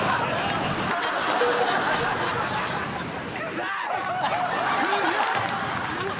臭い！